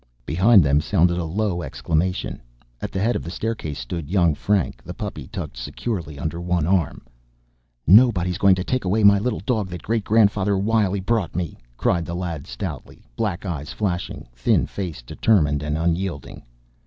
Behind them sounded a low exclamation. At the head of the staircase stood young Frank, the puppy tucked securely under one arm. "Nobody's going to take away my little dog that Great grandfather Wiley brought me," cried the lad stoutly, black eyes flashing, thin face determined and unyielding.